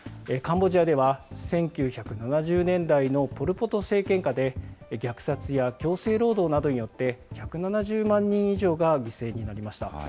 カンボジアでは、１９７０年代のポル・ポト政権下で、虐殺や強制労働などによって、１７０万人以上が犠牲になりました。